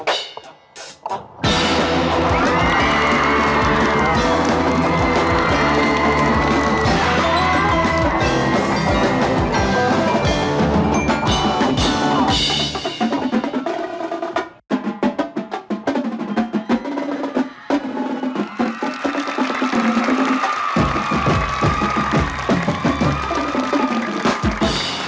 สวัสดีครับ